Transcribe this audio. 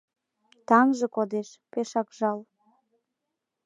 Таҥже кодеш — пешак жал.